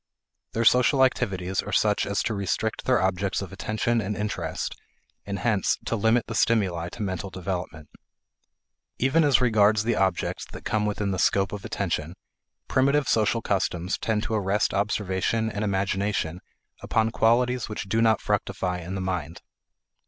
Their social activities are such as to restrict their objects of attention and interest, and hence to limit the stimuli to mental development. Even as regards the objects that come within the scope of attention, primitive social customs tend to arrest observation and imagination upon qualities which do not fructify in the mind.